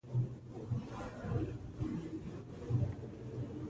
افغانانو ته ځي له دې ځایه مړینه